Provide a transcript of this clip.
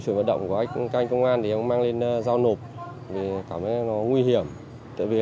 truyền hoạt động của các anh công an thì em cũng mang lên giao nộp vì cảm thấy nó nguy hiểm tại vì